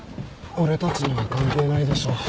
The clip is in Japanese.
俺たちには関係ないでしょう。